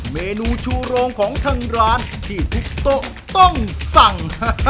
เมนูชูโรงของทางร้านที่ทุกโต๊ะต้องสั่ง